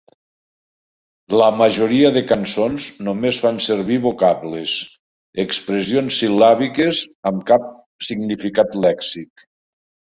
La majoria de cançons només fan servir vocables, expressions sil·làbiques amb cap significat lèxic.